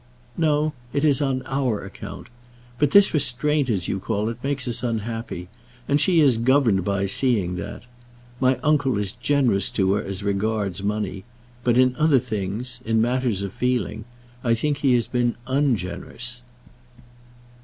"No. It is on our account. But this restraint, as you call it, makes us unhappy, and she is governed by seeing that. My uncle is generous to her as regards money; but in other things, in matters of feeling, I think he has been ungenerous."